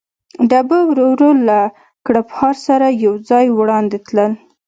ډبه ورو ورو له کړپهار سره یو ځای وړاندې تلل.